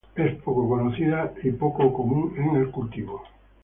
Es poco conocida y poco común en el cultivo.